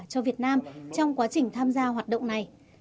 cho việt nam trong quá trình tham gia hoạt động này